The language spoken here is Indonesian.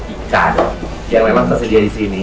ikan yang memang tersedia disini